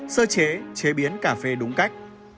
sơ chế chế biến cà phê đúng cách